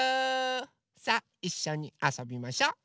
さあいっしょにあそびましょ。